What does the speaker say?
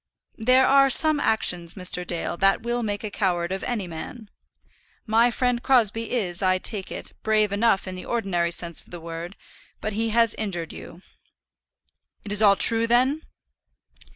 "There are some actions, Mr. Dale, that will make a coward of any man. My friend Crosbie is, I take it, brave enough in the ordinary sense of the word, but he has injured you." "It is all true, then?"